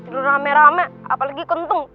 dulu rame rame apalagi kentung